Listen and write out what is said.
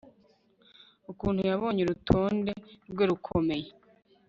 Ukuntu yabonye urutonde rwe rukomeye